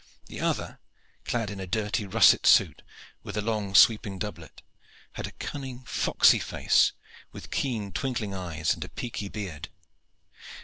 The other, clad in a dirty russet suit with a long sweeping doublet, had a cunning, foxy face with keen, twinkling eyes and a peaky beard.